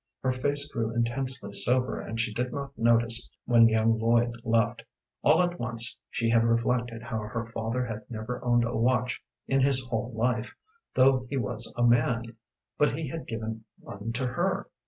Her face grew intensely sober, and she did not notice when young Lloyd left. All at once she had reflected how her father had never owned a watch in his whole life, though he was a man, but he had given one to her.